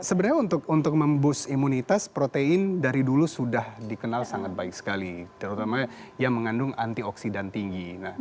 sebenarnya untuk memboost imunitas protein dari dulu sudah dikenal sangat baik sekali terutama yang mengandung antioksidan tinggi